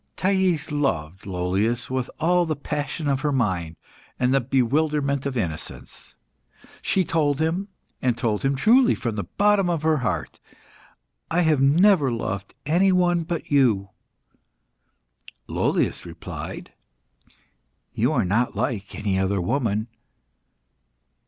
Thais loved Lollius with all the passion of her mind, and the bewilderment of innocence. She told him, and told him truly from the bottom of her heart "I have never loved any one but you." Lollius replied "You are not like any other woman."